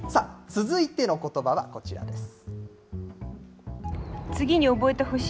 続いてのことばはこちらです。